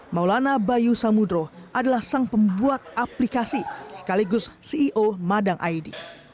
maulana bayu samudro adalah sang pembuat aplikasi sekaligus ceo madang id